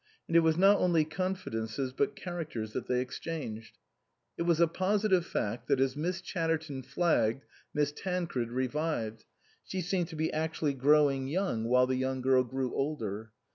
And it was not only confidences but characters that they exchanged. It was a positive fact that as Miss Chatterton flagged Miss Tancred revived, she seemed to be actually growing young while the young girl grew older.